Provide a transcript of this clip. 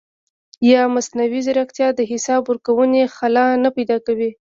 ایا مصنوعي ځیرکتیا د حساب ورکونې خلا نه پیدا کوي؟